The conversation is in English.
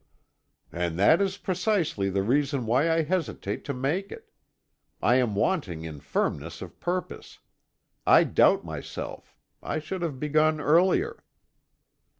"And that is precisely the reason why I hesitate to make it. I am wanting in firmness of purpose. I doubt myself; I should have begun earlier."